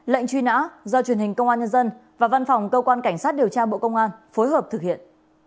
lệnh truy nã do truyền hình công an nhân dân và văn phòng cơ quan cảnh sát điều tra bộ công an phối hợp thực hiện